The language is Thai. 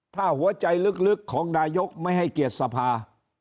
ถ้าหัวใจลึกของนายกไม่ให้เกียรติสภา